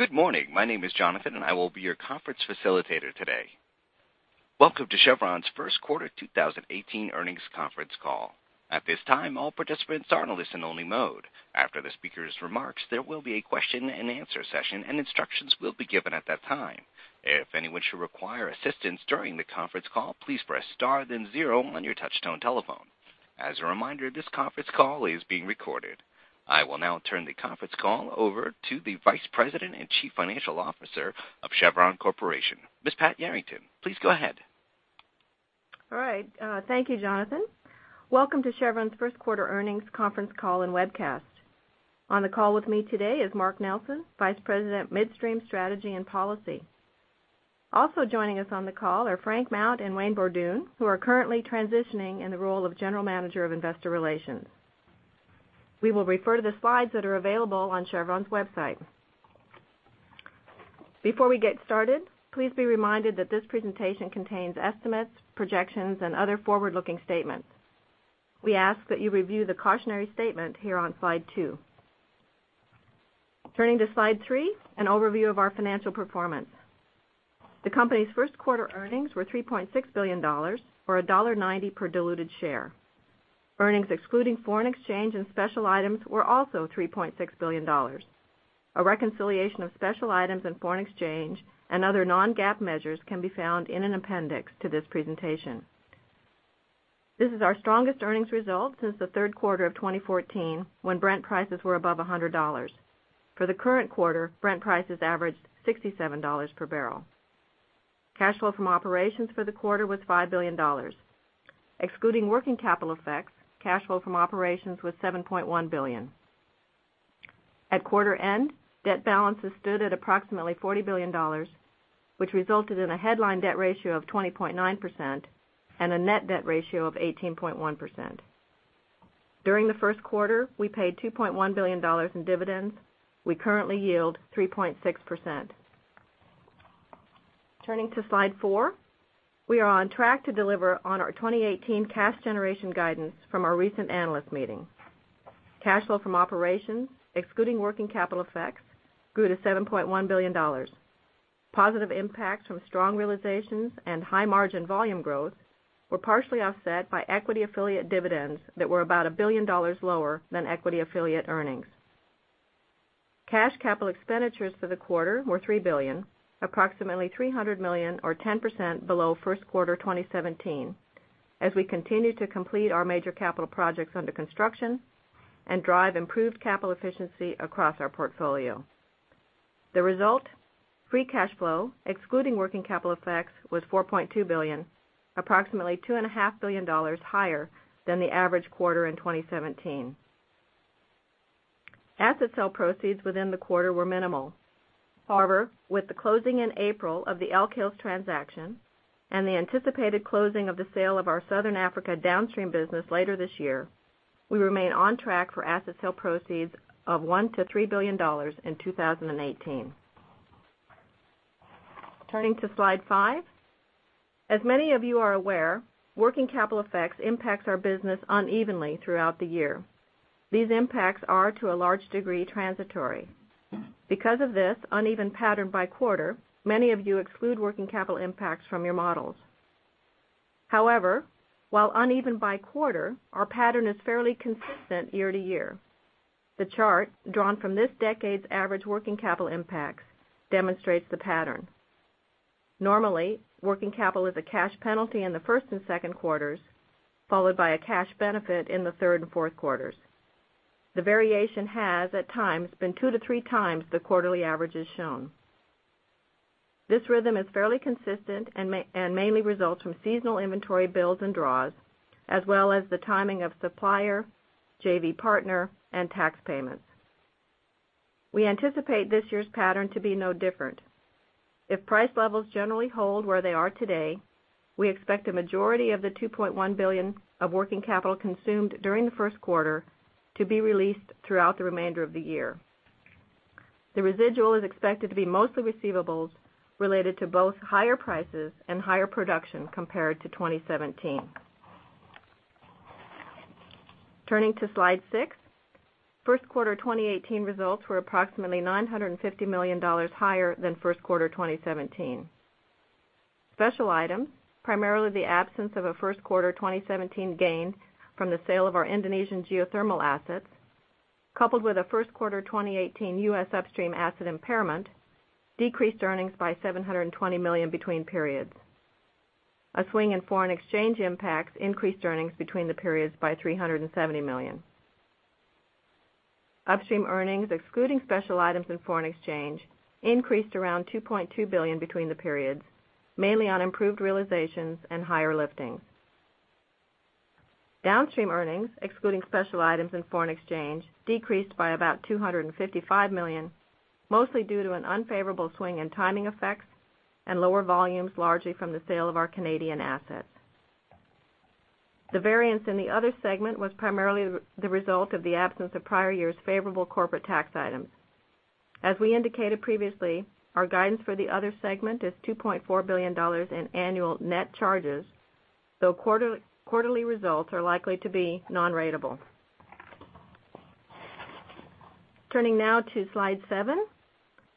Good morning. My name is Jonathan, I will be your conference facilitator today. Welcome to Chevron's first quarter 2018 earnings conference call. At this time, all participants are in listen-only mode. After the speakers' remarks, there will be a question-and-answer session, instructions will be given at that time. If anyone should require assistance during the conference call, please press star then zero on your touchtone telephone. As a reminder, this conference call is being recorded. I will now turn the conference call over to the Vice President and Chief Financial Officer of Chevron Corporation, Ms. Pat Yarrington. Please go ahead. All right. Thank you, Jonathan. Welcome to Chevron's first quarter earnings conference call and webcast. On the call with me today is Mark Nelson, Vice President, Midstream Strategy and Policy. Also joining us on the call are Frank Mount and Wayne Borduin, who are currently transitioning in the role of General Manager of Investor Relations. We will refer to the slides that are available on Chevron's website. Before we get started, please be reminded that this presentation contains estimates, projections, and other forward-looking statements. We ask that you review the cautionary statement here on slide two. Turning to slide three, an overview of our financial performance. The company's first quarter earnings were $3.6 billion, or $1.90 per diluted share. Earnings excluding foreign exchange and special items were also $3.6 billion. A reconciliation of special items and foreign exchange and other non-GAAP measures can be found in an appendix to this presentation. This is our strongest earnings result since the third quarter of 2014, when Brent prices were above $100. For the current quarter, Brent prices averaged $67 per barrel. Cash flow from operations for the quarter was $5 billion. Excluding working capital effects, cash flow from operations was $7.1 billion. At quarter end, debt balances stood at approximately $40 billion, which resulted in a headline debt ratio of 20.9% and a net debt ratio of 18.1%. During the first quarter, we paid $2.1 billion in dividends. We currently yield 3.6%. Turning to slide four. We are on track to deliver on our 2018 cash generation guidance from our recent analyst meeting. Cash flow from operations, excluding working capital effects, grew to $7.1 billion. Positive impacts from strong realizations and high-margin volume growth were partially offset by equity affiliate dividends that were about $1 billion lower than equity affiliate earnings. Cash capital expenditures for the quarter were $3 billion, approximately $300 million or 10% below first quarter 2017, as we continue to complete our major capital projects under construction and drive improved capital efficiency across our portfolio. The result, free cash flow, excluding working capital effects, was $4.2 billion, approximately $2.5 billion higher than the average quarter in 2017. Asset sale proceeds within the quarter were minimal. However, with the closing in April of the Elk Hills transaction and the anticipated closing of the sale of our Southern Africa downstream business later this year, we remain on track for asset sale proceeds of $1 billion to $3 billion in 2018. Turning to slide five. As many of you are aware, working capital effects impact our business unevenly throughout the year. These impacts are, to a large degree, transitory. Because of this uneven pattern by quarter, many of you exclude working capital impacts from your models. However, while uneven by quarter, our pattern is fairly consistent year to year. The chart drawn from this decade's average working capital impacts demonstrates the pattern. Normally, working capital is a cash penalty in the first and second quarters, followed by a cash benefit in the third and fourth quarters. The variation has, at times, been two to three times the quarterly averages shown. This rhythm is fairly consistent and mainly results from seasonal inventory builds and draws, as well as the timing of supplier, JV partner, and tax payments. We anticipate this year's pattern to be no different. If price levels generally hold where they are today, we expect a majority of the $2.1 billion of working capital consumed during the first quarter to be released throughout the remainder of the year. The residual is expected to be mostly receivables related to both higher prices and higher production compared to 2017. Turning to slide six. First quarter 2018 results were approximately $950 million higher than first quarter 2017. Special items, primarily the absence of a first quarter 2017 gain from the sale of our Indonesian geothermal assets, coupled with a first quarter 2018 U.S. upstream asset impairment, decreased earnings by $720 million between periods. A swing in foreign exchange impacts increased earnings between the periods by $370 million. Upstream earnings, excluding special items and foreign exchange, increased around $2.2 billion between the periods, mainly on improved realizations and higher lifting. Downstream earnings, excluding special items and foreign exchange, decreased by about $255 million, mostly due to an unfavorable swing in timing effects and lower volumes, largely from the sale of our Canadian assets. The variance in the other segment was primarily the result of the absence of prior year's favorable corporate tax items. As we indicated previously, our guidance for the other segment is $2.4 billion in annual net charges, so quarterly results are likely to be non-ratable. Turning now to slide seven,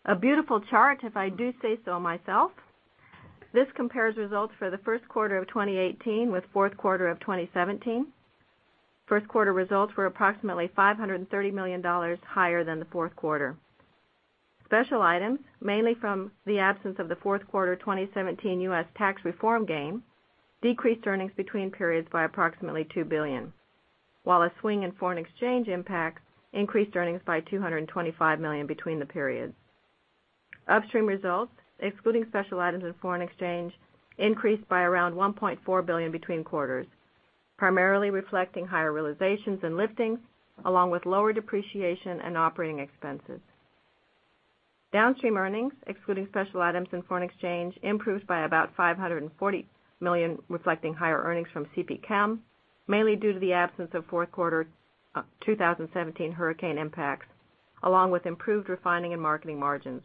a beautiful chart, if I do say so myself. This compares results for the first quarter of 2018 with fourth quarter of 2017. First quarter results were approximately $530 million higher than the fourth quarter. Special items, mainly from the absence of the fourth quarter 2017 U.S. tax reform gain, decreased earnings between periods by approximately $2 billion, while a swing in foreign exchange impact increased earnings by $225 million between the periods. Upstream results, excluding special items and foreign exchange, increased by around $1.4 billion between quarters, primarily reflecting higher realizations and liftings, along with lower depreciation and operating expenses. Downstream earnings, excluding special items and foreign exchange, improved by about $540 million, reflecting higher earnings from CPChem, mainly due to the absence of fourth quarter 2017 hurricane impacts, along with improved refining and marketing margins.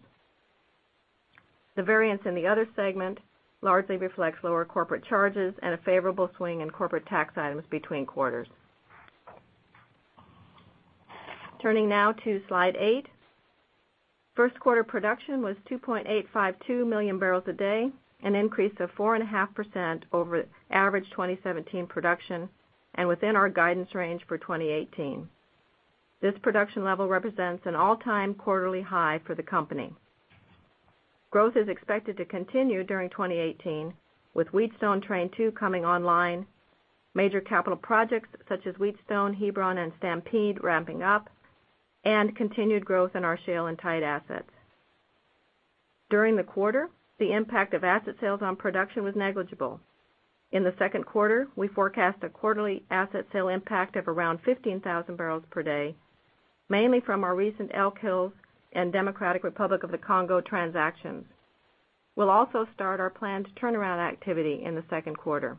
The variance in the other segment largely reflects lower corporate charges and a favorable swing in corporate tax items between quarters. Turning now to slide eight. First quarter production was 2.852 million barrels a day, an increase of 4.5% over average 2017 production, and within our guidance range for 2018. This production level represents an all-time quarterly high for the company. Growth is expected to continue during 2018, with Wheatstone Train Two coming online, major capital projects such as Wheatstone, Hebron and Stampede ramping up, and continued growth in our shale and tight assets. During the quarter, the impact of asset sales on production was negligible. In the second quarter, we forecast a quarterly asset sale impact of around 15,000 barrels per day, mainly from our recent Elk Hills and Democratic Republic of the Congo transactions. We'll also start our planned turnaround activity in the second quarter.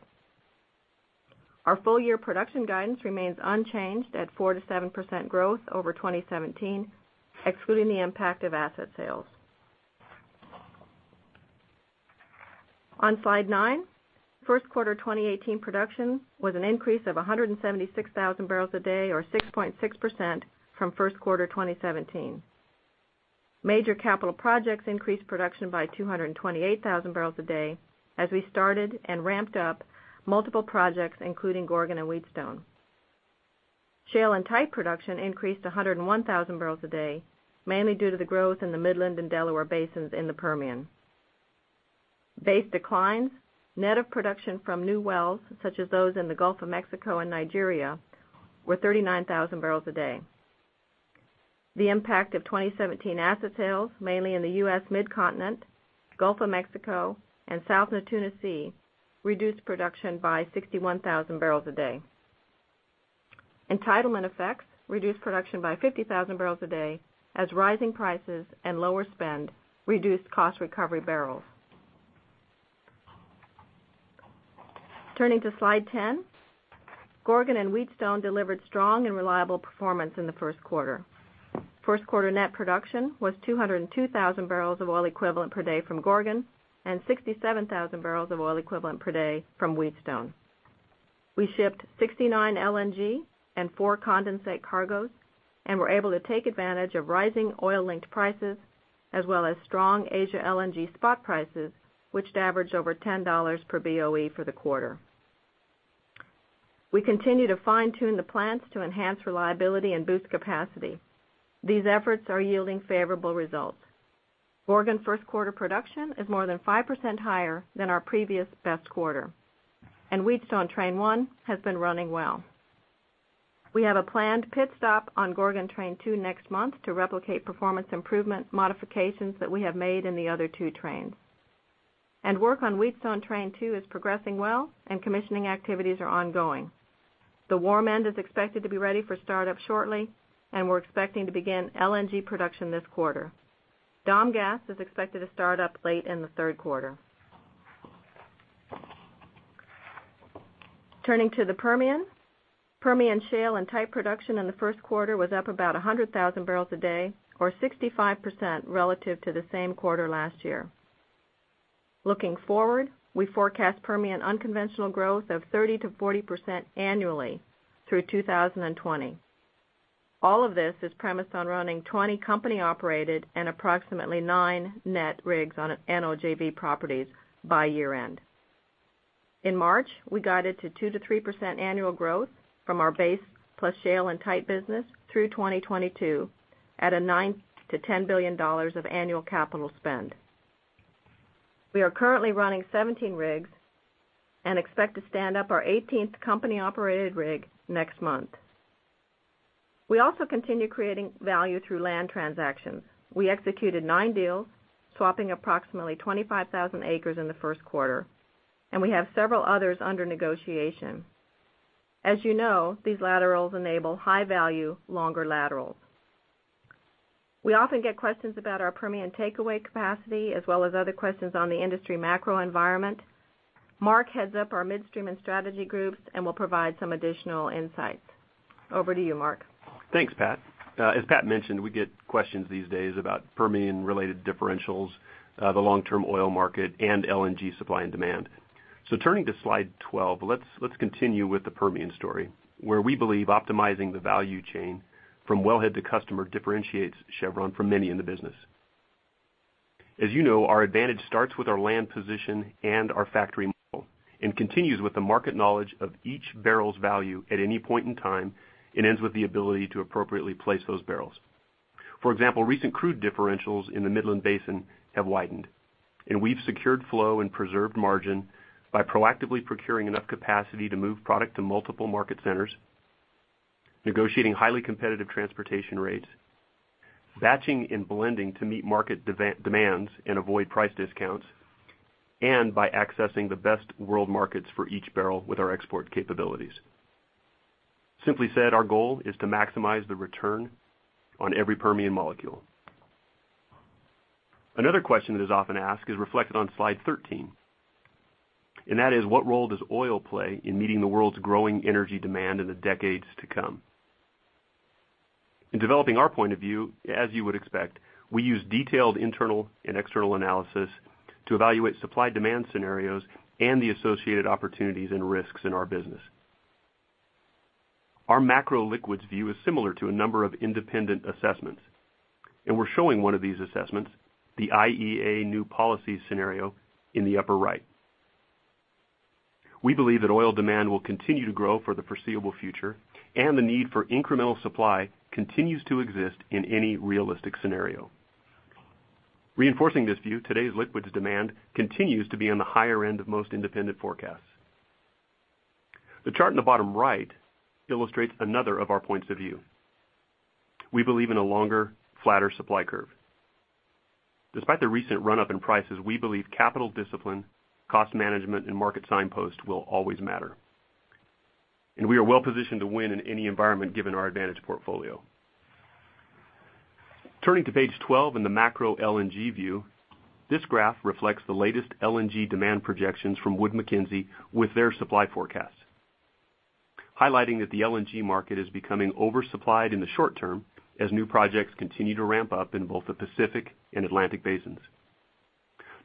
Our full year production guidance remains unchanged at 4%-7% growth over 2017, excluding the impact of asset sales. On slide nine, first quarter 2018 production was an increase of 176,000 barrels a day, or 6.6% from first quarter 2017. Major capital projects increased production by 228,000 barrels a day as we started and ramped up multiple projects, including Gorgon and Wheatstone. Shale and tight production increased 101,000 barrels a day, mainly due to the growth in the Midland and Delaware basins in the Permian. Base declines, net of production from new wells, such as those in the Gulf of Mexico and Nigeria, were 39,000 barrels a day. The impact of 2017 asset sales, mainly in the U.S. Mid-Continent, Gulf of Mexico, and South Natuna Sea, reduced production by 61,000 barrels a day. Entitlement effects reduced production by 50,000 barrels a day as rising prices and lower spend reduced cost recovery barrels. Turning to slide 10. Gorgon and Wheatstone delivered strong and reliable performance in the first quarter. First quarter net production was 202,000 barrels of oil equivalent per day from Gorgon and 67,000 barrels of oil equivalent per day from Wheatstone. We shipped 69 LNG and four condensate cargos and were able to take advantage of rising oil-linked prices as well as strong Asia LNG spot prices, which averaged over $10 per BOE for the quarter. We continue to fine tune the plants to enhance reliability and boost capacity. These efforts are yielding favorable results. Gorgon first quarter production is more than 5% higher than our previous best quarter, and Wheatstone Train One has been running well. We have a planned pit stop on Gorgon Train Two next month to replicate performance improvement modifications that we have made in the other two trains. Work on Wheatstone Train Two is progressing well and commissioning activities are ongoing. The warm end is expected to be ready for startup shortly. We're expecting to begin LNG production this quarter. Domgas is expected to start up late in the third quarter. Turning to the Permian. Permian shale and tight production in the first quarter was up about 100,000 barrels a day, or 65% relative to the same quarter last year. Looking forward, we forecast Permian unconventional growth of 30%-40% annually through 2020. All of this is premised on running 20 company-operated and approximately nine net rigs on an NOJV properties by year-end. In March, we guided to 2%-3% annual growth from our base plus shale and tight business through 2022 at a $9 billion-$10 billion of annual capital spend. We are currently running 17 rigs and expect to stand up our 18th company-operated rig next month. We also continue creating value through land transactions. We executed nine deals, swapping approximately 25,000 acres in the first quarter, and we have several others under negotiation. As you know, these laterals enable high value, longer laterals. We often get questions about our Permian takeaway capacity as well as other questions on the industry macro environment. Mark heads up our midstream and strategy groups and will provide some additional insights. Over to you, Mark. Thanks, Pat. As Pat mentioned, we get questions these days about Permian-related differentials, the long-term oil market, and LNG supply and demand. Turning to slide 12, let's continue with the Permian story, where we believe optimizing the value chain from wellhead to customer differentiates Chevron from many in the business. As you know, our advantage starts with our land position and our factory model and continues with the market knowledge of each barrel's value at any point in time and ends with the ability to appropriately place those barrels. For example, recent crude differentials in the Midland Basin have widened, and we've secured flow and preserved margin by proactively procuring enough capacity to move product to multiple market centers, negotiating highly competitive transportation rates, batching and blending to meet market demands and avoid price discounts, and by accessing the best world markets for each barrel with our export capabilities. Simply said, our goal is to maximize the return on every Permian molecule. Another question that is often asked is reflected on slide 13. That is what role does oil play in meeting the world's growing energy demand in the decades to come? In developing our point of view, as you would expect, we use detailed internal and external analysis to evaluate supply-demand scenarios and the associated opportunities and risks in our business. Our macro liquids view is similar to a number of independent assessments, and we're showing one of these assessments, the IEA New Policies Scenario in the upper right. We believe that oil demand will continue to grow for the foreseeable future, and the need for incremental supply continues to exist in any realistic scenario. Reinforcing this view, today's liquids demand continues to be on the higher end of most independent forecasts. The chart in the bottom right illustrates another of our points of view. We believe in a longer, flatter supply curve. Despite the recent run-up in prices, we believe capital discipline, cost management, and market signpost will always matter. We are well positioned to win in any environment given our advantage portfolio. Turning to page 12 and the macro LNG view, this graph reflects the latest LNG demand projections from Wood Mackenzie with their supply forecast, highlighting that the LNG market is becoming oversupplied in the short term as new projects continue to ramp up in both the Pacific and Atlantic basins.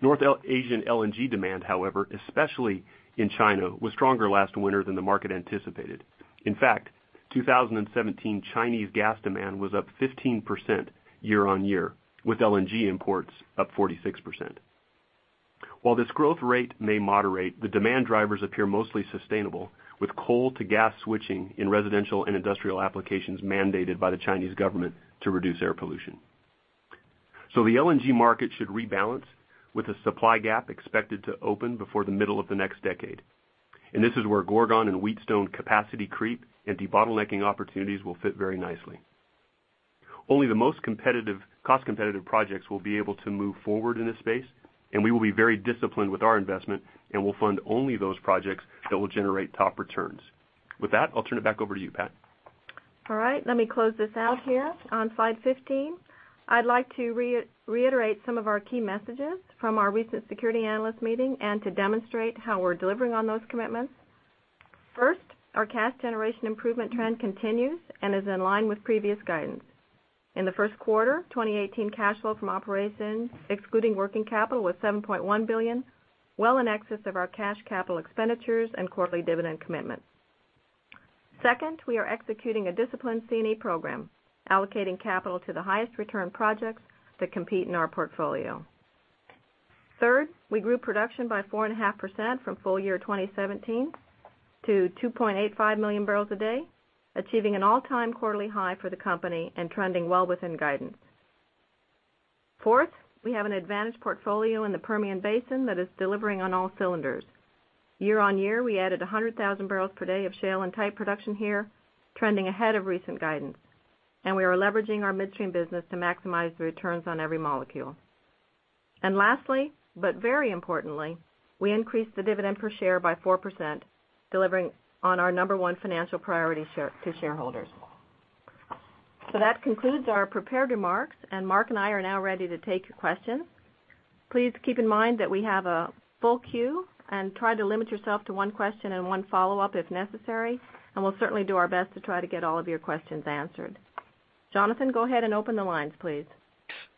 North Asian LNG demand, however, especially in China, was stronger last winter than the market anticipated. In fact, 2017 Chinese gas demand was up 15% year-on-year, with LNG imports up 46%. While this growth rate may moderate, the demand drivers appear mostly sustainable, with coal to gas switching in residential and industrial applications mandated by the Chinese government to reduce air pollution. The LNG market should rebalance with a supply gap expected to open before the middle of the next decade. This is where Gorgon and Wheatstone capacity creep and debottlenecking opportunities will fit very nicely. Only the most cost-competitive projects will be able to move forward in this space, we will be very disciplined with our investment and will fund only those projects that will generate top returns. With that, I'll turn it back over to you, Pat. All right. Let me close this out here on slide 15. I'd like to reiterate some of our key messages from our recent security analyst meeting and to demonstrate how we're delivering on those commitments. First, our cash generation improvement trend continues and is in line with previous guidance. In the first quarter 2018 cash flow from operations, excluding working capital, was $7.1 billion, well in excess of our cash capital expenditures and quarterly dividend commitments. Second, we are executing a disciplined C&E program, allocating capital to the highest return projects that compete in our portfolio. Third, we grew production by 4.5% from full year 2017 to 2.85 million barrels a day, achieving an all-time quarterly high for the company and trending well within guidance. Fourth, we have an advantage portfolio in the Permian Basin that is delivering on all cylinders. Year-on-year, we added 100,000 barrels per day of shale and tight production here, trending ahead of recent guidance. We are leveraging our midstream business to maximize the returns on every molecule. Lastly, but very importantly, we increased the dividend per share by 4%, delivering on our number one financial priority to shareholders. That concludes our prepared remarks, Mark and I are now ready to take your questions. Please keep in mind that we have a full queue and try to limit yourself to one question and one follow-up if necessary, we'll certainly do our best to try to get all of your questions answered. Jonathan, go ahead and open the lines, please.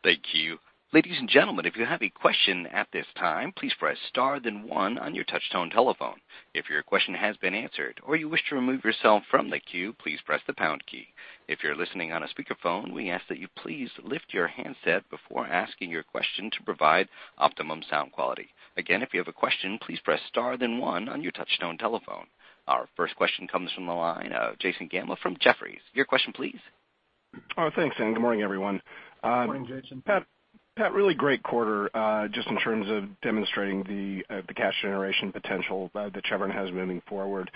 Thank you. Ladies and gentlemen, if you have a question at this time, please press star then one on your touchtone telephone. If your question has been answered or you wish to remove yourself from the queue, please press the pound key. If you're listening on a speakerphone, we ask that you please lift your handset before asking your question to provide optimum sound quality. Again, if you have a question, please press star then one on your touchtone telephone. Our first question comes from the line of Jason Gabelman from Jefferies. Your question, please. Thanks, good morning, everyone. Morning, Jason. Pat, really great quarter just in terms of demonstrating the cash generation potential that Chevron has moving forward.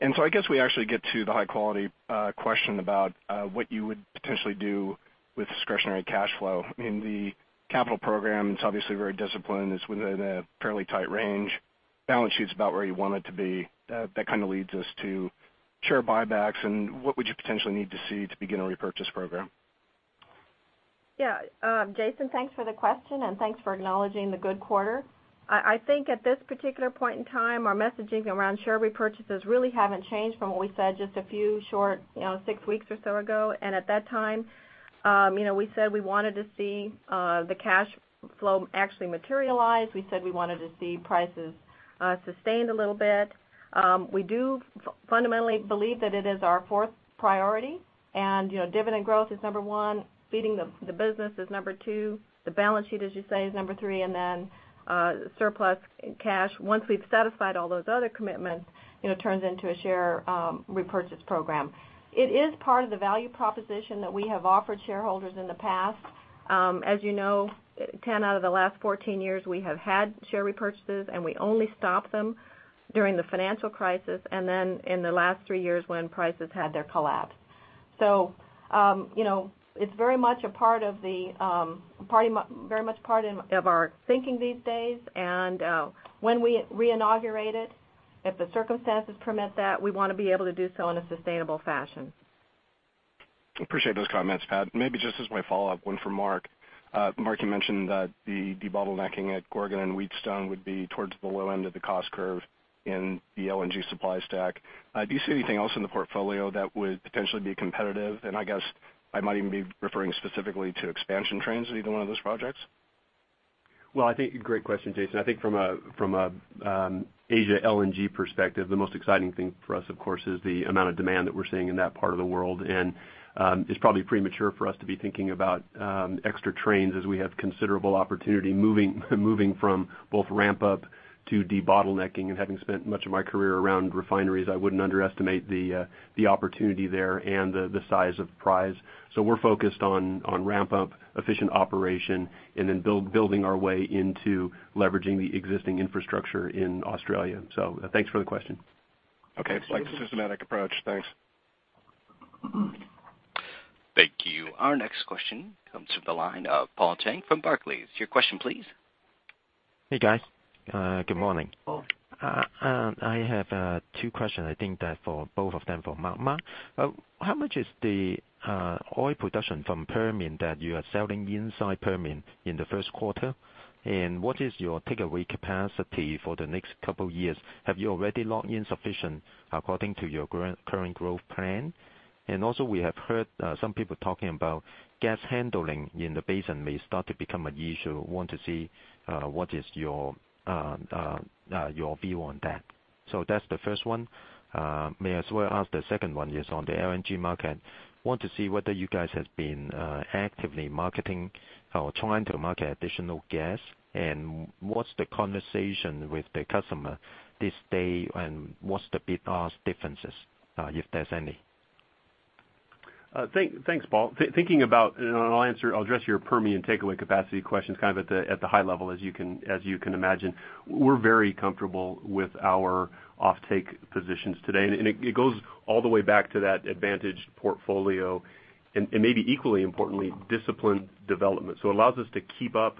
I guess we actually get to the high-quality question about what you would potentially do with discretionary cash flow in the capital program. It's obviously very disciplined. It's within a fairly tight range. Balance sheet's about where you want it to be. That kind of leads us to share buybacks and what would you potentially need to see to begin a repurchase program? Yeah. Jason, thanks for the question, thanks for acknowledging the good quarter. I think at this particular point in time, our messaging around share repurchases really haven't changed from what we said just a few short six weeks or so ago. At that time, we said we wanted to see the cash flow actually materialize. We said we wanted to see prices sustained a little bit. We do fundamentally believe that it is our fourth priority. Dividend growth is number 1, feeding the business is number 2, the balance sheet, as you say, is number 3, then surplus cash, once we've satisfied all those other commitments, turns into a share repurchase program. It is part of the value proposition that we have offered shareholders in the past. As you know, 10 out of the last 14 years, we have had share repurchases. We only stopped them during the financial crisis, then in the last three years when prices had their collapse. It's very much a part of our thinking these days. When we re-inaugurate it, if the circumstances permit that, we want to be able to do so in a sustainable fashion. Appreciate those comments, Pat. Maybe just as my follow-up one for Mark. Mark, you mentioned that the debottlenecking at Gorgon and Wheatstone would be towards the low end of the cost curve in the LNG supply stack. Do you see anything else in the portfolio that would potentially be competitive? I guess I might even be referring specifically to expansion trains at either one of those projects. Well, great question, Jason. I think from an Asia LNG perspective, the most exciting thing for us, of course, is the amount of demand that we're seeing in that part of the world. It's probably premature for us to be thinking about extra trains as we have considerable opportunity moving from both ramp-up to debottlenecking. Having spent much of my career around refineries, I wouldn't underestimate the opportunity there and the size of prize. We're focused on ramp-up, efficient operation, then building our way into leveraging the existing infrastructure in Australia. Thanks for the question. Okay. It's like a systematic approach. Thanks. Thank you. Our next question comes from the line of Paul Cheng from Barclays. Your question, please. Hey, guys. Good morning. Good morning, Paul. I have two questions. I think both of them for Mark. Mark, how much is the oil production from Permian that you are selling inside Permian in the first quarter? What is your takeaway capacity for the next couple of years? Have you already locked in sufficient according to your current growth plan? Also, we have heard some people talking about gas handling in the basin may start to become an issue. Want to see what is your view on that. That's the first one. May as well ask the second one is on the LNG market. Want to see whether you guys have been actively marketing or trying to market additional gas, and what's the conversation with the customer this day, and what's the bid-ask differences, if there's any? Thanks, Paul Cheng. I'll address your Permian takeaway capacity questions kind of at the high level, as you can imagine. We're very comfortable with our offtake positions today, and it goes all the way back to that advantaged portfolio, and maybe equally importantly, disciplined development. It allows us to keep up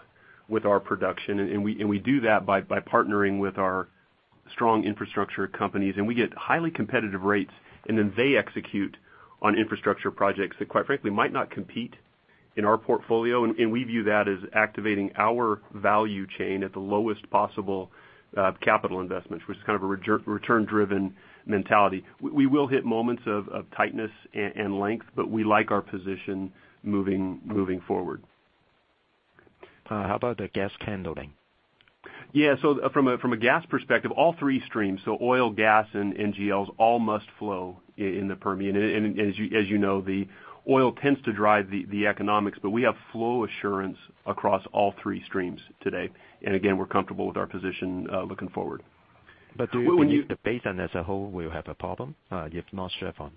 with our production, and we do that by partnering with our strong infrastructure companies, and we get highly competitive rates, and then they execute on infrastructure projects that quite frankly, might not compete in our portfolio. We view that as activating our value chain at the lowest possible capital investments, which is kind of a return-driven mentality. We will hit moments of tightness and length, we like our position moving forward. How about the gas handling? Yeah. From a gas perspective, all three streams, so oil, gas, and NGLs all must flow in the Permian. As you know, the oil tends to drive the economics, but we have flow assurance across all three streams today. Again, we're comfortable with our position looking forward. Do you think the basin as a whole will have a problem if not Chevron?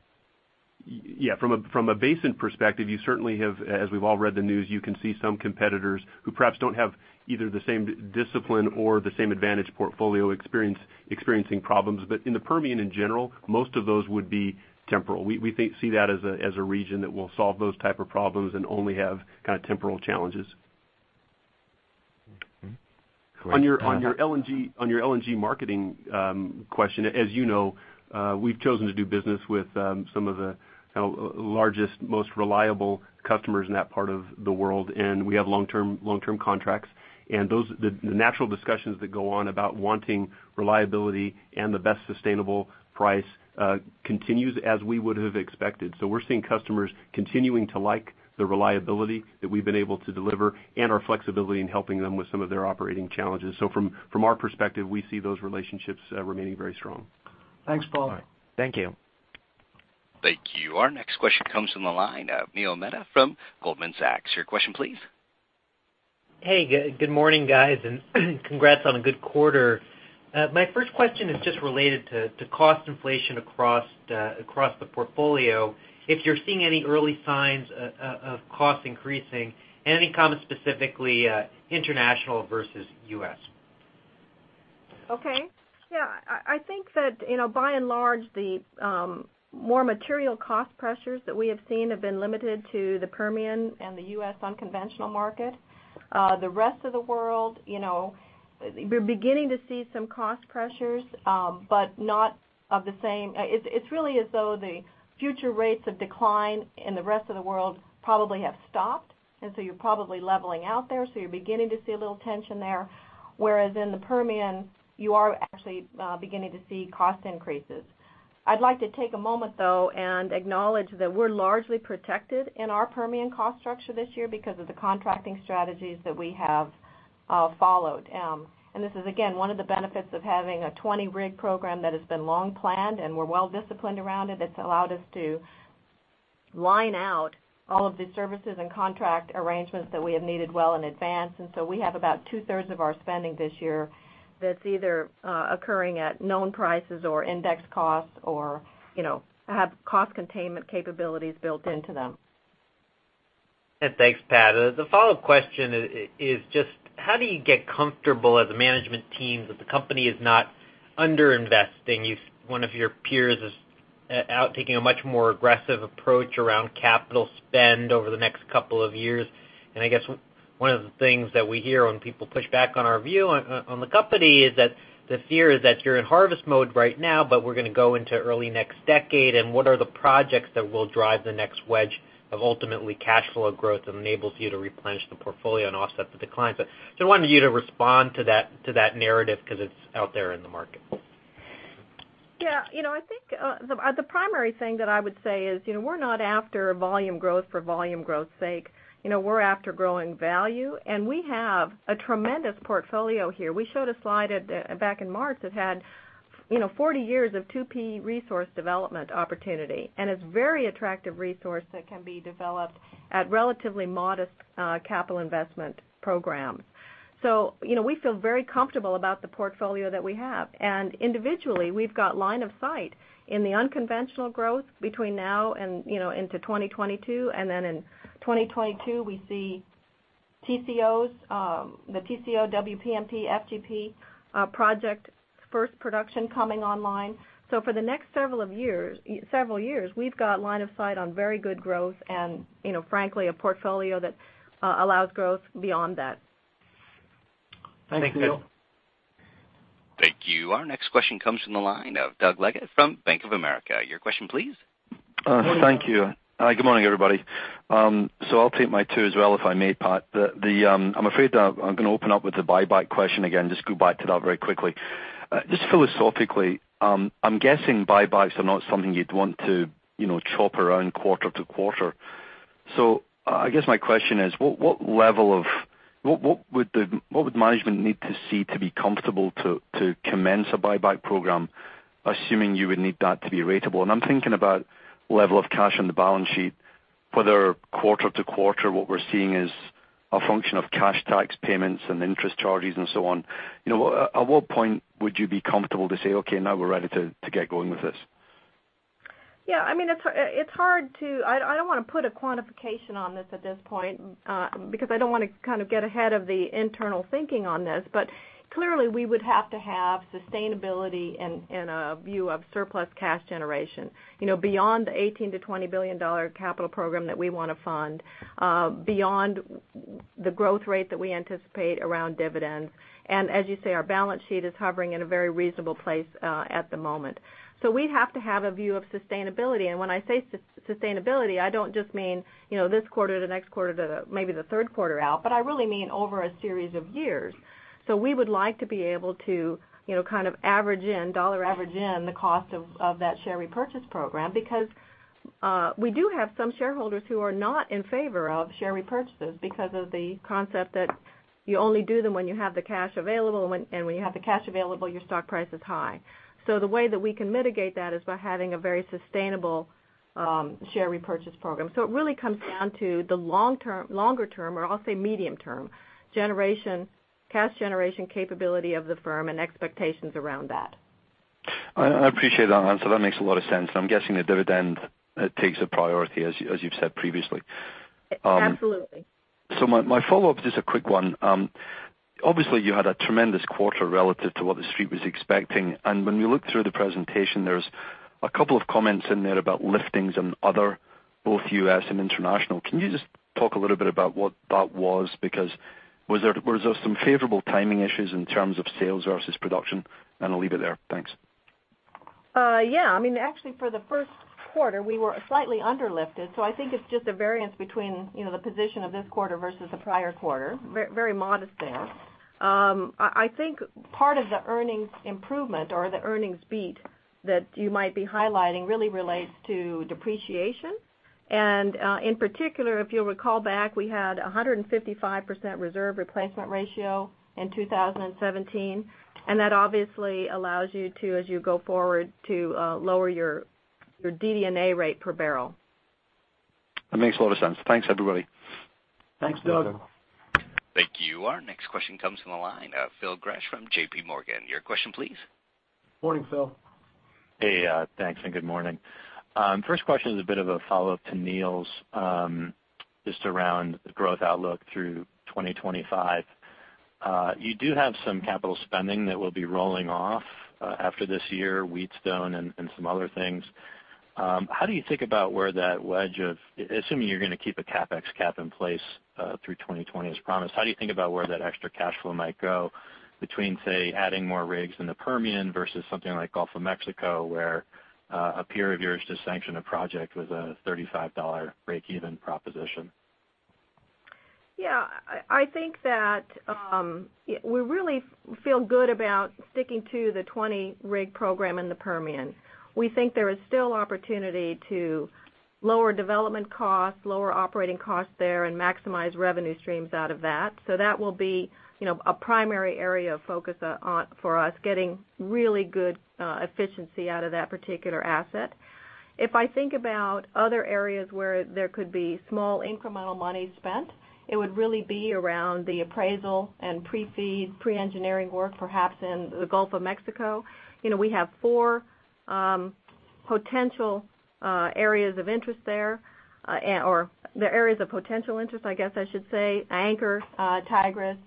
Yeah. From a basin perspective, as we've all read the news, you can see some competitors who perhaps don't have either the same discipline or the same advantage portfolio experiencing problems. In the Permian in general, most of those would be temporal. We see that as a region that will solve those type of problems and only have kind of temporal challenges. Okay. Great. On your LNG marketing question, as you know, we've chosen to do business with some of the largest, most reliable customers in that part of the world, and we have long-term contracts. The natural discussions that go on about wanting reliability and the best sustainable price continues as we would have expected. We're seeing customers continuing to like the reliability that we've been able to deliver and our flexibility in helping them with some of their operating challenges. From our perspective, we see those relationships remaining very strong. Thanks, Paul. Thank you. Thank you. Our next question comes from the line of Neil Mehta from Goldman Sachs. Your question, please. Hey. Good morning, guys, and congrats on a good quarter. My first question is just related to cost inflation across the portfolio. If you're seeing any early signs of cost increasing, and any comments specifically international versus U.S. Okay. Yeah, I think that by and large, the more material cost pressures that we have seen have been limited to the Permian and the U.S. unconventional market. The rest of the world, we're beginning to see some cost pressures, but not of the same. It's really as though the future rates of decline in the rest of the world probably have stopped, and so you're probably leveling out there, so you're beginning to see a little tension there. Whereas in the Permian, you are actually beginning to see cost increases. I'd like to take a moment, though, and acknowledge that we're largely protected in our Permian cost structure this year because of the contracting strategies that we have followed. This is, again, one of the benefits of having a 20 rig program that has been long planned, and we're well-disciplined around it. It's allowed us to line out all of the services and contract arrangements that we have needed well in advance. We have about two-thirds of our spending this year that's either occurring at known prices or index costs, or have cost containment capabilities built into them. Thanks, Pat. The follow-up question is just how do you get comfortable as a management team that the company is not under-investing? One of your peers is out taking a much more aggressive approach around capital spend over the next couple of years. I guess one of the things that we hear when people push back on our view on the company is that the fear is that you're in harvest mode right now, but we're going to go into early next decade, and what are the projects that will drive the next wedge of ultimately cash flow growth that enables you to replenish the portfolio and offset the declines? I wanted you to respond to that narrative because it's out there in the market. I think the primary thing that I would say is, we're not after volume growth for volume growth's sake. We're after growing value, and we have a tremendous portfolio here. We showed a slide back in March that had 40 years of 2P resource development opportunity, and it's a very attractive resource that can be developed at relatively modest capital investment programs. We feel very comfortable about the portfolio that we have. Individually, we've got line of sight in the unconventional growth between now and into 2022. In 2022, we see TCOs, the Tengizchevroil, WPMP, FGP project first production coming online. For the next several years, we've got line of sight on very good growth and frankly, a portfolio that allows growth beyond that. Thanks, Pat. Thanks, Neil. Thank you. Our next question comes from the line of Douglas Leggate from Bank of America. Your question, please? Thank you. Good morning, everybody. I'll take my two as well, if I may, Pat. I'm afraid that I'm going to open up with the buyback question again. Just go back to that very quickly. Just philosophically, I'm guessing buybacks are not something you'd want to chop around quarter to quarter. I guess my question is, what would management need to see to be comfortable to commence a buyback program, assuming you would need that to be ratable? I'm thinking about level of cash on the balance sheet, whether quarter to quarter, what we're seeing is a function of cash tax payments and interest charges and so on. At what point would you be comfortable to say, "Okay, now we're ready to get going with this"? Yeah, I don't want to put a quantification on this at this point, because I don't want to get ahead of the internal thinking on this. Clearly, we would have to have sustainability and a view of surplus cash generation beyond the $18 billion-$20 billion capital program that we want to fund, beyond the growth rate that we anticipate around dividends. As you say, our balance sheet is hovering in a very reasonable place at the moment. We have to have a view of sustainability, and when I say sustainability, I don't just mean this quarter, the next quarter, to maybe the third quarter out, but I really mean over a series of years. We would like to be able to dollar-average in the cost of that share repurchase program, because we do have some shareholders who are not in favor of share repurchases because of the concept that you only do them when you have the cash available, and when you have the cash available, your stock price is high. The way that we can mitigate that is by having a very sustainable share repurchase program. It really comes down to the longer-term, or I'll say medium-term, cash generation capability of the firm and expectations around that. I appreciate that answer. That makes a lot of sense, and I'm guessing the dividend takes a priority, as you've said previously. Absolutely. My follow-up is just a quick one. Obviously, you had a tremendous quarter relative to what the Street was expecting, and when we look through the presentation, there's a couple of comments in there about liftings and other, both U.S. and international. Can you just talk a little bit about what that was? Because was there some favorable timing issues in terms of sales versus production? I'll leave it there. Thanks. Yeah. Actually, for the first quarter, we were slightly under-lifted. I think it's just a variance between the position of this quarter versus the prior quarter. Very modest there. I think part of the earnings improvement or the earnings beat that you might be highlighting really relates to depreciation. In particular, if you'll recall back, we had 155% reserve replacement ratio in 2017, and that obviously allows you to, as you go forward, to lower your DD&A rate per barrel. That makes a lot of sense. Thanks, everybody. Thanks, Doug. Thank you. Our next question comes from the line of Phil Gresh from JP Morgan. Your question, please? Morning, Phil. Hey. Thanks, and good morning. First question is a bit of a follow-up to Neil's, just around the growth outlook through 2025. You do have some capital spending that will be rolling off after this year, Wheatstone and some other things. How do you think about where that wedge of-- assuming you're going to keep a CapEx cap in place through 2020 as promised, how do you think about where that extra cash flow might go between, say, adding more rigs in the Permian versus something like Gulf of Mexico, where a peer of yours just sanctioned a project with a $35 breakeven proposition? Yeah. I think that we really feel good about sticking to the 20 rig program in the Permian. We think there is still opportunity to lower development costs, lower operating costs there, and maximize revenue streams out of that. That will be a primary area of focus for us, getting really good efficiency out of that particular asset. If I think about other areas where there could be small incremental money spent, it would really be around the appraisal and pre-FEED, pre-engineering work, perhaps in the Gulf of Mexico. We have four potential areas of interest there or the areas of potential interest, I guess I should say, Anchor, Tigris,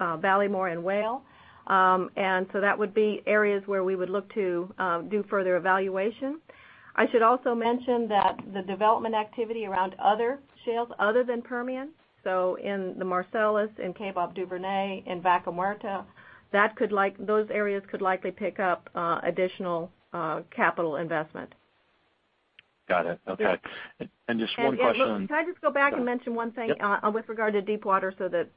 Ballymore and Whale. That would be areas where we would look to do further evaluation. I should also mention that the development activity around other shales other than Permian, so in the Marcellus, in Kaybob Duvernay, in Vaca Muerta, those areas could likely pick up additional capital investment. Got it. Okay. Just one question. Can I just go back and mention one thing with regard to deepwater so that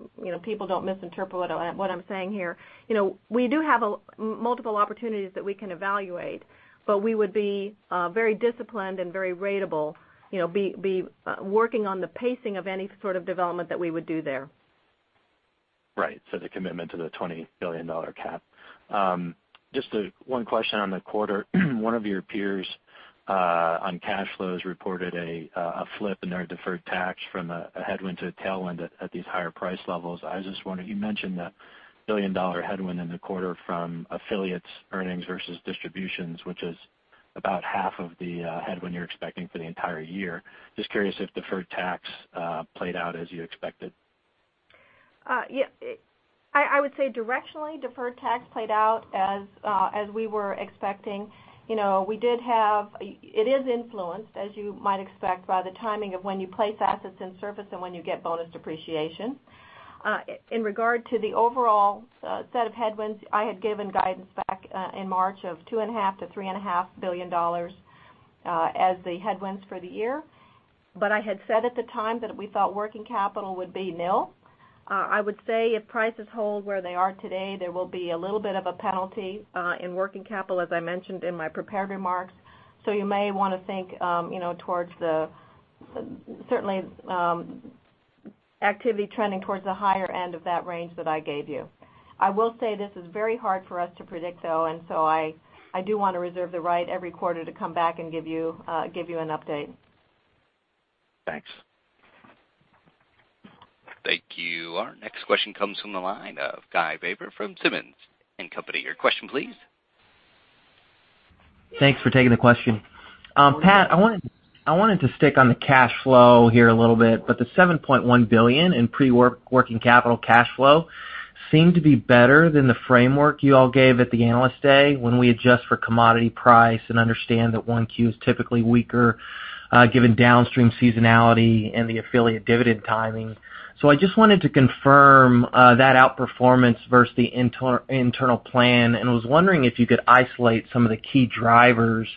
people don't misinterpret what I'm saying here. We do have multiple opportunities that we can evaluate, we would be very disciplined and very ratable, be working on the pacing of any sort of development that we would do there. Right. The commitment to the $20 billion cap. Just one question on the quarter. One of your peers on cash flows reported a flip in their deferred tax from a headwind to a tailwind at these higher price levels. I just wonder, you mentioned the billion-dollar headwind in the quarter from affiliates earnings versus distributions, which is about half of the headwind you're expecting for the entire year. Just curious if deferred tax played out as you expected. I would say directionally, deferred tax played out as we were expecting. It is influenced, as you might expect, by the timing of when you place assets in service and when you get bonus depreciation. In regard to the overall set of headwinds, I had given guidance back in March of $2.5 billion to $3.5 billion as the headwinds for the year. I had said at the time that we thought working capital would be nil. I would say if prices hold where they are today, there will be a little bit of a penalty in working capital, as I mentioned in my prepared remarks. You may want to think towards the certainly activity trending towards the higher end of that range that I gave you. I will say this is very hard for us to predict, though, I do want to reserve the right every quarter to come back and give you an update. Thanks. Thank you. Our next question comes from the line of Guy Baber from Simmons and Company. Your question, please. Thanks for taking the question. Pat, I wanted to stick on the cash flow here a little bit, but the $7.1 billion in pre-working capital cash flow seemed to be better than the framework you all gave at the Analyst Day when we adjust for commodity price and understand that 1Q is typically weaker given downstream seasonality and the affiliate dividend timing. I just wanted to confirm that outperformance versus the internal plan and was wondering if you could isolate some of the key drivers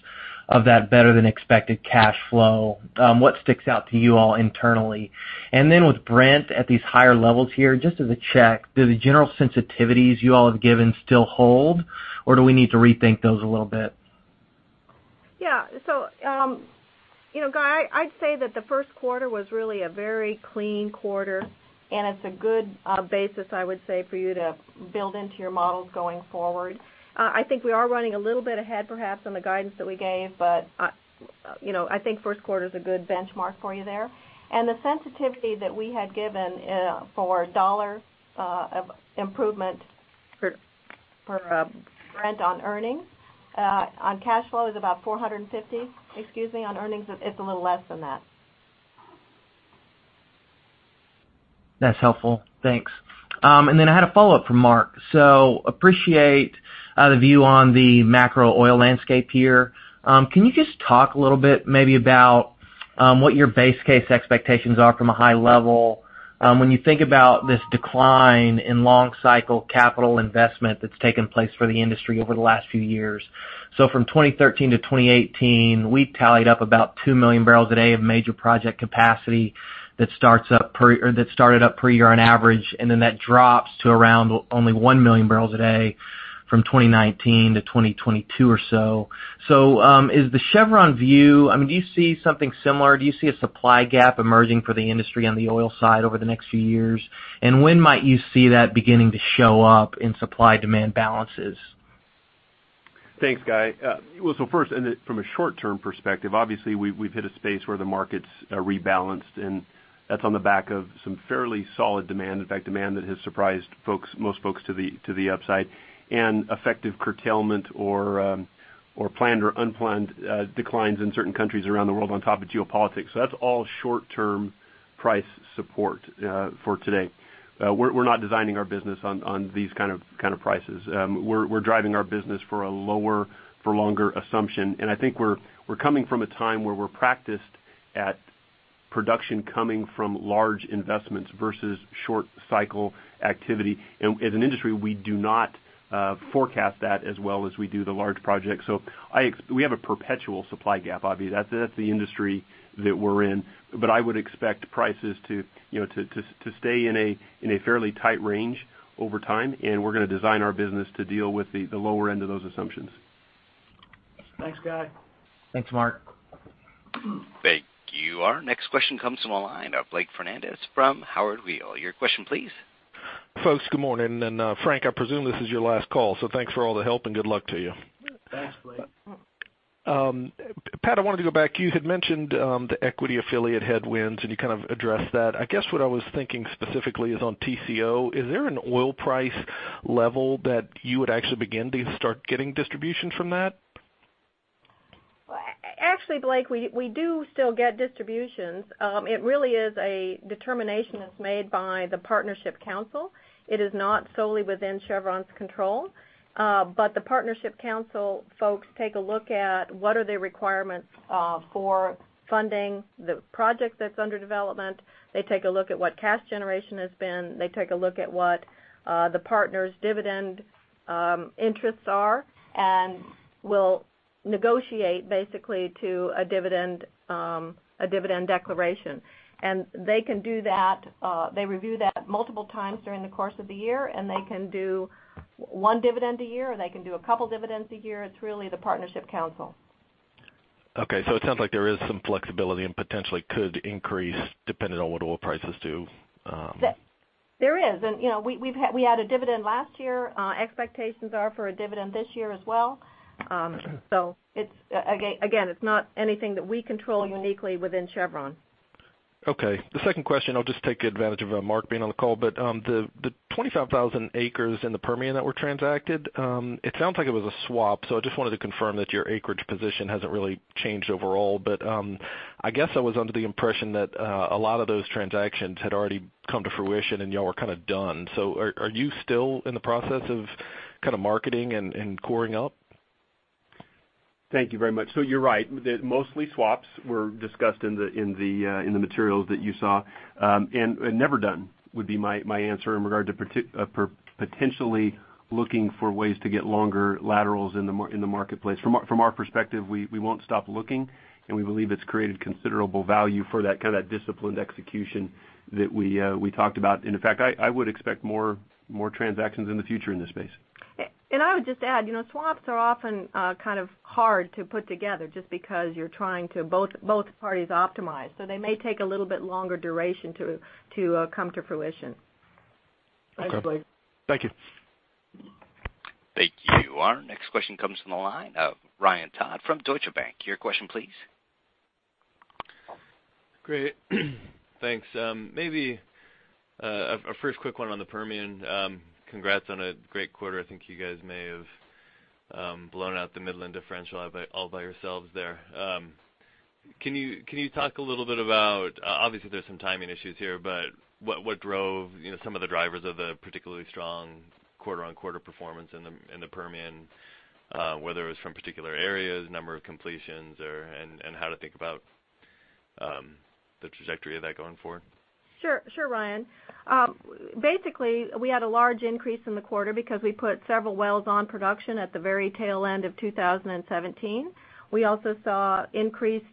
of that better than expected cash flow. What sticks out to you all internally? With Brent at these higher levels here, just as a check, do the general sensitivities you all have given still hold, or do we need to rethink those a little bit? Yeah. Guy, I'd say that the first quarter was really a very clean quarter, and it's a good basis, I would say, for you to build into your models going forward. I think we are running a little bit ahead, perhaps, on the guidance that we gave, but I think first quarter is a good benchmark for you there. The sensitivity that we had given for dollar improvement for Brent on earnings, on cash flow is about $450. Excuse me, on earnings, it's a little less than that. That's helpful. Thanks. I had a follow-up from Mark. Appreciate the view on the macro oil landscape here. Can you just talk a little bit maybe about what your base case expectations are from a high level when you think about this decline in long cycle capital investment that's taken place for the industry over the last few years? From 2013 to 2018, we tallied up about 2 million barrels a day of major project capacity that started up per year on average, and then that drops to around only 1 million barrels a day from 2019 to 2022 or so. Is the Chevron view, do you see something similar? Do you see a supply gap emerging for the industry on the oil side over the next few years? And when might you see that beginning to show up in supply-demand balances? Thanks, Guy. First, from a short-term perspective, obviously, we've hit a space where the market's rebalanced, and that's on the back of some fairly solid demand. In fact, demand that has surprised most folks to the upside and effective curtailment or planned or unplanned declines in certain countries around the world on top of geopolitics. That's all short-term. price support for today. We're not designing our business on these kind of prices. We're driving our business for a lower for longer assumption. I think we're coming from a time where we're practiced at production coming from large investments versus short cycle activity. As an industry, we do not forecast that as well as we do the large projects. We have a perpetual supply gap, obviously. That's the industry that we're in. I would expect prices to stay in a fairly tight range over time, and we're going to design our business to deal with the lower end of those assumptions. Thanks, Guy. Thanks, Mark. Thank you. Our next question comes from the line of Blake Fernandez from Howard Weil. Your question, please. Folks, good morning. Frank, I presume this is your last call, so thanks for all the help and good luck to you. Thanks, Blake. Pat, I wanted to go back. You had mentioned the equity affiliate headwinds, and you kind of addressed that. I guess what I was thinking specifically is on Tengizchevroil. Is there an oil price level that you would actually begin to start getting distribution from that? Actually, Blake Fernandez, we do still get distributions. It really is a determination that's made by the partnership council. It is not solely within Chevron's control. The partnership council folks take a look at what are the requirements for funding the project that's under development. They take a look at what cash generation has been. They take a look at what the partners' dividend interests are, and will negotiate basically to a dividend declaration. They can do that. They review that multiple times during the course of the year, and they can do one dividend a year, or they can do a couple dividends a year. It's really the partnership council. Okay, it sounds like there is some flexibility and potentially could increase depending on what oil prices do. There is. We had a dividend last year. Expectations are for a dividend this year as well. Again, it's not anything that we control uniquely within Chevron. Okay. The second question, I'll just take advantage of Mark being on the call, but the 25,000 acres in the Permian that were transacted, it sounds like it was a swap. I just wanted to confirm that your acreage position hasn't really changed overall. I guess I was under the impression that a lot of those transactions had already come to fruition, and you all were done. Are you still in the process of marketing and coring up? Thank you very much. You're right. Mostly swaps were discussed in the materials that you saw. Never done would be my answer in regard to potentially looking for ways to get longer laterals in the marketplace. From our perspective, we won't stop looking, and we believe it's created considerable value for that kind of disciplined execution that we talked about. In fact, I would expect more transactions in the future in this space. I would just add, swaps are often kind of hard to put together just because you're trying to both parties optimize. They may take a little bit longer duration to come to fruition. Okay. Thanks, Blake. Thank you. Thank you. Our next question comes from the line of Ryan Todd from Deutsche Bank. Your question, please. Great. Thanks. Maybe a first quick one on the Permian. Congrats on a great quarter. I think you guys may have blown out the Midland differential all by yourselves there. Can you talk a little bit about, obviously there's some timing issues here, but what drove some of the drivers of the particularly strong quarter-on-quarter performance in the Permian, whether it was from particular areas, number of completions, and how to think about the trajectory of that going forward? Sure, Ryan. Basically, we had a large increase in the quarter because we put several wells on production at the very tail end of 2017. We also saw increased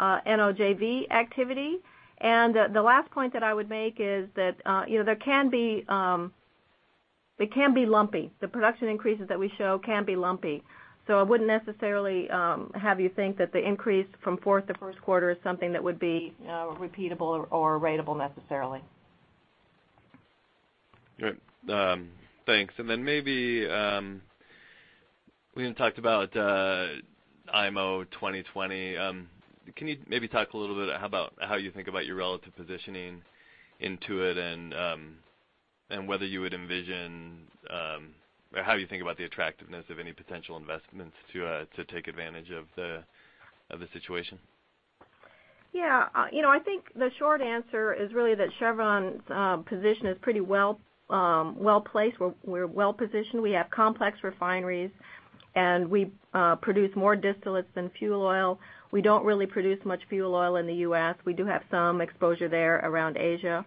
NOJV activity. The last point that I would make is that it can be lumpy. The production increases that we show can be lumpy. I wouldn't necessarily have you think that the increase from fourth to first quarter is something that would be repeatable or ratable necessarily. Great. Thanks. Then maybe, we haven't talked about IMO 2020. Can you maybe talk a little bit about how you think about your relative positioning into it, and whether you would envision, or how you think about the attractiveness of any potential investments to take advantage of the situation? Yeah. I think the short answer is really that Chevron's position is pretty well placed. We're well positioned. We have complex refineries, and we produce more distillates than fuel oil. We don't really produce much fuel oil in the U.S. We do have some exposure there around Asia.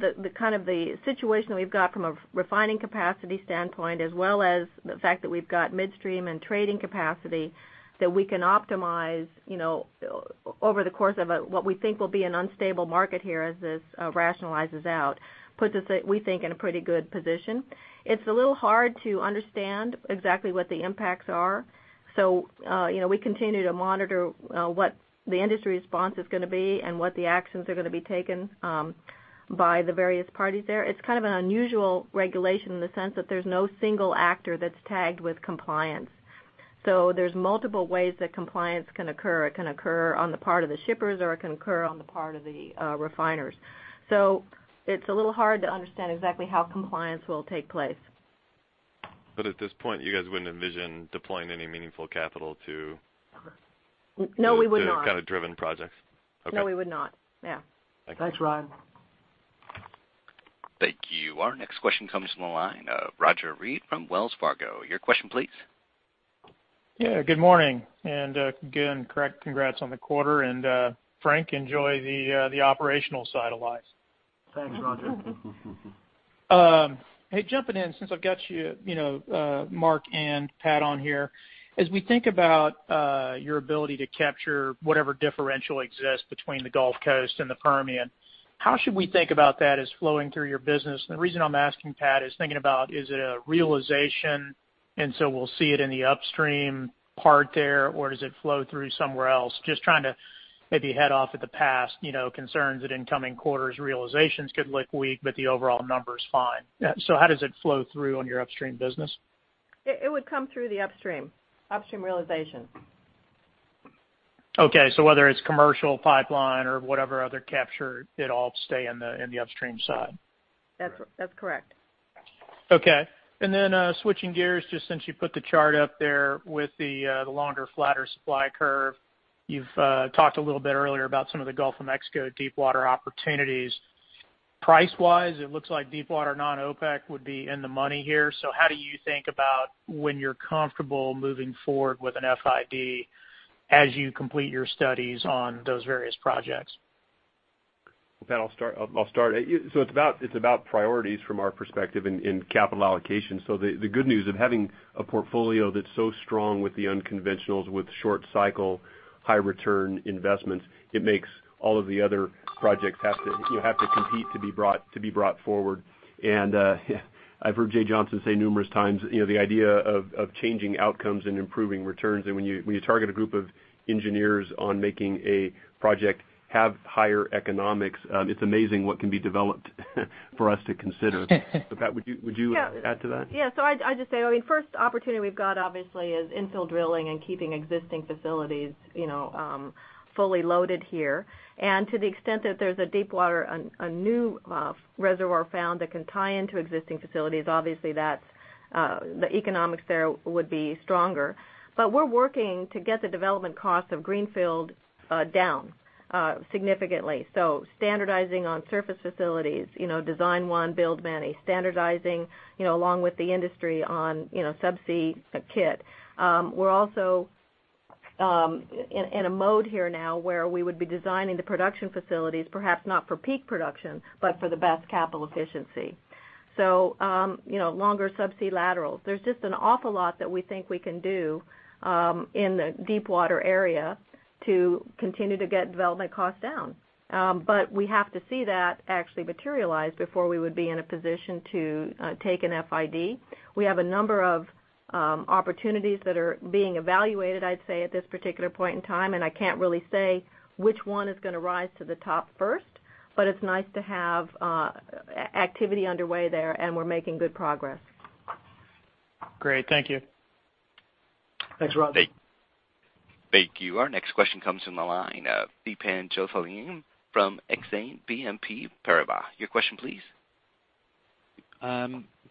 The situation that we've got from a refining capacity standpoint, as well as the fact that we've got midstream and trading capacity that we can optimize over the course of what we think will be an unstable market here as this rationalizes out, puts us, we think, in a pretty good position. It's a little hard to understand exactly what the impacts are. We continue to monitor what the industry response is going to be and what the actions are going to be taken by the various parties there. It's kind of an unusual regulation in the sense that there's no single actor that's tagged with compliance. There's multiple ways that compliance can occur. It can occur on the part of the shippers, or it can occur on the part of the refiners. It's a little hard to understand exactly how compliance will take place. At this point, you guys wouldn't envision deploying any meaningful capital? No, we would not. The kind of driven projects? Okay. No, we would not. Yeah. Thank you. Thanks, Ryan. Thank you. Our next question comes from the line, Roger Read from Wells Fargo. Your question, please. Good morning. Again, congrats on the quarter. Frank, enjoy the operational side of life. Thanks, Roger. Hey, jumping in since I've got you, Mark and Pat on here. As we think about your ability to capture whatever differential exists between the Gulf Coast and the Permian, how should we think about that as flowing through your business? The reason I'm asking, Pat, is thinking about is it a realization, we'll see it in the upstream part there, or does it flow through somewhere else? Just trying to maybe head off at the pass, concerns that incoming quarters realizations could look weak, the overall number's fine. How does it flow through on your upstream business? It would come through the upstream. Upstream realization. Okay, whether it's commercial pipeline or whatever other capture, it all stay in the upstream side. That's correct. Okay. Then, switching gears, just since you put the chart up there with the longer, flatter supply curve. You've talked a little bit earlier about some of the Gulf of Mexico deep water opportunities. Price-wise, it looks like deep water non-OPEC would be in the money here. How do you think about when you're comfortable moving forward with an FID as you complete your studies on those various projects? Pat, I'll start. It's about priorities from our perspective in capital allocation. The good news of having a portfolio that's so strong with the unconventionals, with short cycle, high return investments, it makes all of the other projects have to compete to be brought forward. I've heard Jay Johnson say numerous times, the idea of changing outcomes and improving returns. When you target a group of engineers on making a project have higher economics, it's amazing what can be developed for us to consider. Pat, would you add to that? Yeah. I'd just say, first opportunity we've got obviously is infill drilling and keeping existing facilities fully loaded here. To the extent that there's a deep water, a new reservoir found that can tie into existing facilities, obviously, the economics there would be stronger. We're working to get the development cost of greenfield down significantly. Standardizing on surface facilities, design one, build many. Standardizing, along with the industry on subsea kit. We're also in a mode here now where we would be designing the production facilities, perhaps not for peak production, but for the best capital efficiency. Longer subsea laterals. There's just an awful lot that we think we can do in the deep water area to continue to get development costs down. We have to see that actually materialize before we would be in a position to take an FID. We have a number of opportunities that are being evaluated, I'd say, at this particular point in time, and I can't really say which one is going to rise to the top first. It's nice to have activity underway there, and we're making good progress. Great. Thank you. Thanks, Roger Read. Thank you. Our next question comes from the line of Dipan Jhaveri from Exane BNP Paribas. Your question, please.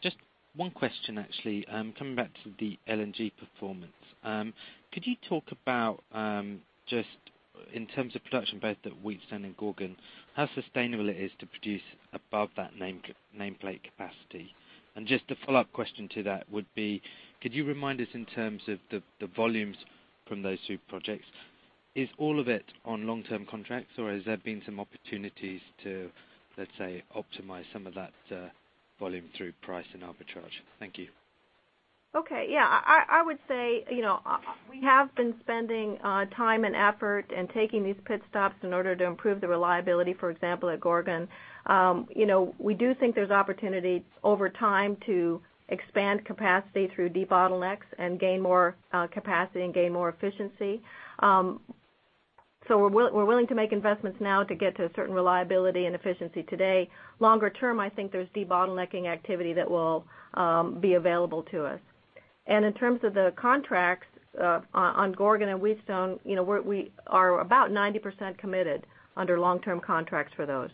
Just one question, actually. Coming back to the LNG performance. Could you talk about just in terms of production, both at Wheatstone and Gorgon, how sustainable it is to produce above that nameplate capacity? Just a follow-up question to that would be, could you remind us in terms of the volumes from those two projects, is all of it on long-term contracts, or has there been some opportunities to, let's say, optimize some of that volume through price and arbitrage? Thank you. Okay. Yeah, I would say, we have been spending time and effort and taking these pit stops in order to improve the reliability, for example, at Gorgon. We do think there's opportunity over time to expand capacity through debottlenecks and gain more capacity and gain more efficiency. We're willing to make investments now to get to a certain reliability and efficiency today. Longer term, I think there's debottlenecking activity that will be available to us. In terms of the contracts on Gorgon and Wheatstone, we are about 90% committed under long-term contracts for those.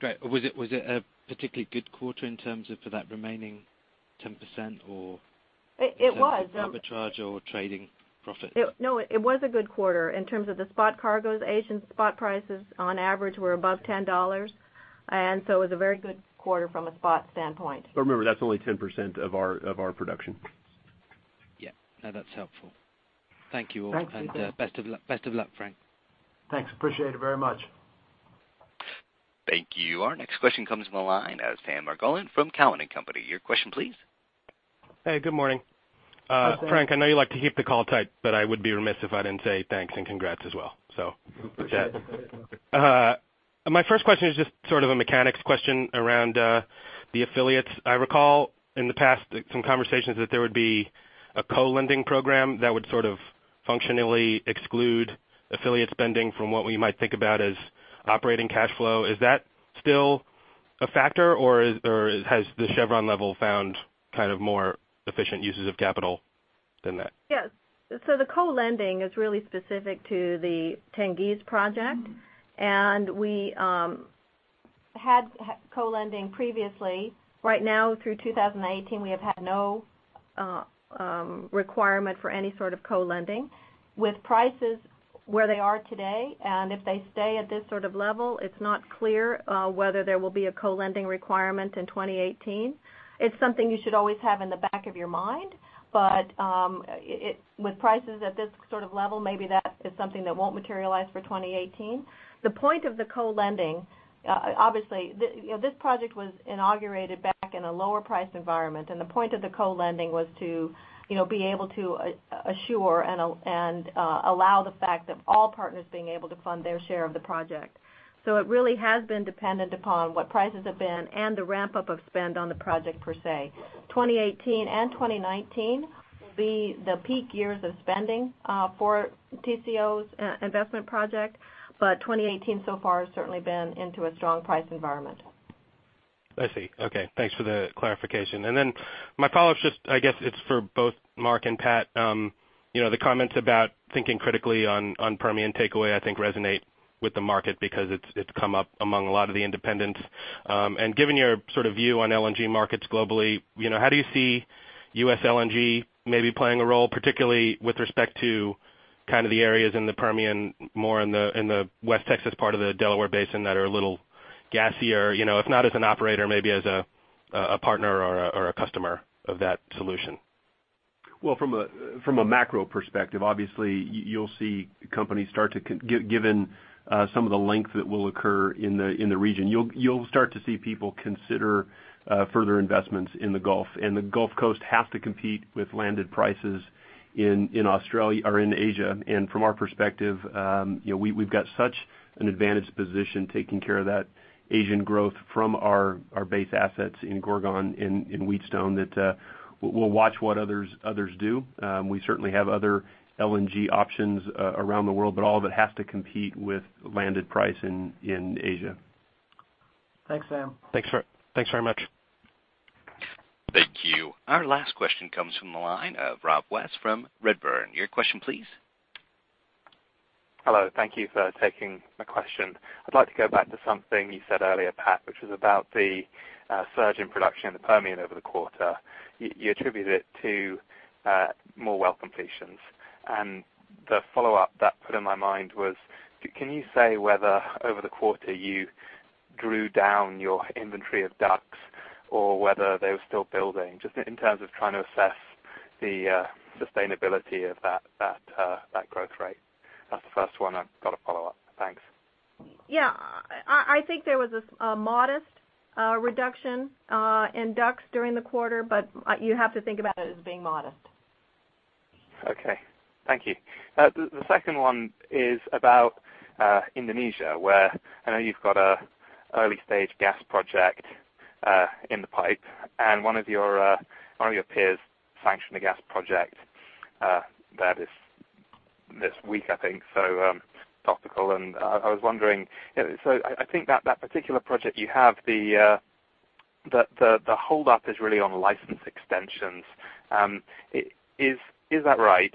Great. Was it a particularly good quarter in terms of for that remaining 10% or? It was. in terms of arbitrage or trading profit? No, it was a good quarter. In terms of the spot cargoes, Asian spot prices on average were above $10. It was a very good quarter from a spot standpoint. Remember, that's only 10% of our production. Yeah. No, that's helpful. Thank you all. Thanks, Dipan. Best of luck, Frank. Thanks. Appreciate it very much. Thank you. Our next question comes from the line of Sam Margolin from Cowen and Company. Your question, please. Hey, good morning. Good morning. Frank, I know you like to keep the call tight, I would be remiss if I didn't say thanks and congrats as well. With that. Appreciate it. My first question is just sort of a mechanics question around the affiliates. I recall in the past some conversations that there would be a co-lending program that would sort of functionally exclude affiliate spending from what we might think about as operating cash flow. Is that still a factor, or has the Chevron level found more efficient uses of capital? Yes. The co-lending is really specific to the Tengiz project. We had co-lending previously. Right now, through 2018, we have had no requirement for any sort of co-lending. With prices where they are today, and if they stay at this sort of level, it's not clear whether there will be a co-lending requirement in 2018. It's something you should always have in the back of your mind, but with prices at this sort of level, maybe that is something that won't materialize for 2018. The point of the co-lending, obviously, this project was inaugurated back in a lower price environment, and the point of the co-lending was to be able to assure and allow the fact of all partners being able to fund their share of the project. It really has been dependent upon what prices have been and the ramp-up of spend on the project per se. 2018 and 2019 will be the peak years of spending for Tengizchevroil's investment project, 2018 so far has certainly been into a strong price environment. I see. Okay. Thanks for the clarification. Then my follow-up's just, I guess it's for both Mark and Pat. The comments about thinking critically on Permian takeaway I think resonate with the market because it's come up among a lot of the independents. Given your view on LNG markets globally, how do you see U.S. LNG maybe playing a role, particularly with respect to the areas in the Permian, more in the West Texas part of the Delaware Basin that are a little gassier, if not as an operator, maybe as a partner or a customer of that solution? From a macro perspective, obviously you'll see companies start to given some of the length that will occur in the region, you'll start to see people consider further investments in the Gulf, the Gulf Coast has to compete with landed prices in Asia. From our perspective, we've got such an advantaged position taking care of that Asian growth from our base assets in Gorgon, in Wheatstone, that we'll watch what others do. We certainly have other LNG options around the world, all of it has to compete with landed price in Asia. Thanks, Sam. Thanks very much. Thank you. Our last question comes from the line of Rob West from Redburn. Your question, please. Hello. Thank you for taking my question. I'd like to go back to something you said earlier, Pat, which was about the surge in production in the Permian over the quarter. You attribute it to more well completions. The follow-up that put in my mind was, can you say whether over the quarter you drew down your inventory of DUCs or whether they were still building, just in terms of trying to assess the sustainability of that growth rate? That's the first one. I've got a follow-up. Thanks. Yeah. I think there was a modest reduction in DUCs during the quarter, but you have to think about it as being modest. Okay. Thank you. The second one is about Indonesia, where I know you've got an early-stage gas project in the pipe, and one of your peers sanctioned a gas project this week, I think. Topical, and I was wondering, I think that particular project you have, the holdup is really on license extensions. Is that right?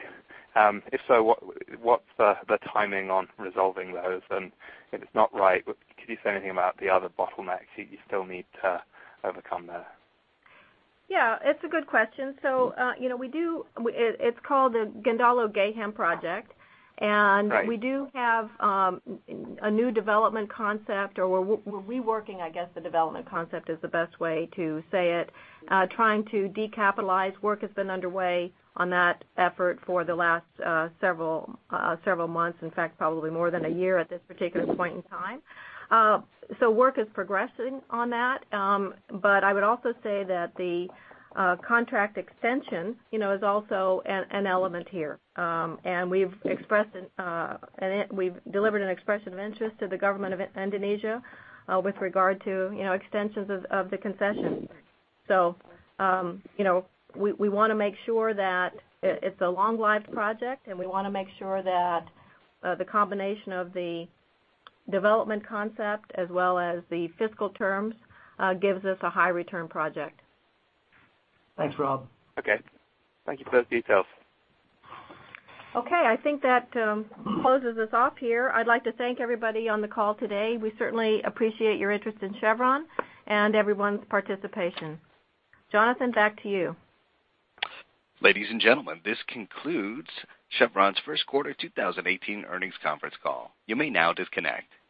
If so, what's the timing on resolving those? If it's not right, could you say anything about the other bottlenecks you still need to overcome there? Yeah, it's a good question. It's called the Gendalo-Gehem project, and we do have a new development concept, or we're reworking, I guess, the development concept is the best way to say it. Work has been underway on that effort for the last several months, in fact, probably more than a year at this particular point in time. Work is progressing on that. I would also say that the contract extension is also an element here. We've delivered an expression of interest to the government of Indonesia with regard to extensions of the concession. We want to make sure that it's a long-life project, and we want to make sure that the combination of the development concept as well as the fiscal terms gives us a high return project. Thanks, Rob. Okay. Thank you for those details. Okay. I think that closes us off here. I'd like to thank everybody on the call today. We certainly appreciate your interest in Chevron and everyone's participation. Jonathan, back to you. Ladies and gentlemen, this concludes Chevron's first quarter 2018 earnings conference call. You may now disconnect.